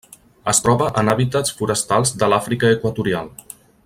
Es troba en hàbitats forestals de l'Àfrica equatorial.